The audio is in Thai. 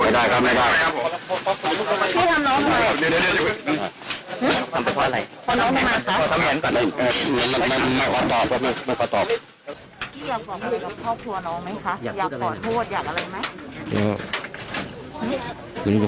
เดี๋ยวว่าจะเข้ามาทำไรดีจึงละครับ